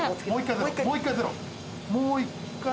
もう１回